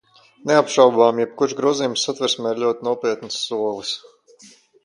Neapšaubāmi, jebkurš grozījums Satversmē ir ļoti nopietns solis.